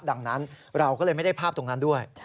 ดังนั้นเราก็เลยไม่ได้ภาพตรงนั้นด้วย